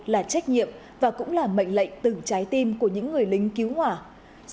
là trách nhiệm và cũng là mệnh lệnh từng trái tim của những người sử dụng lực lượng công an cấp cơ sở